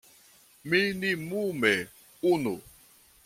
Minimume unu.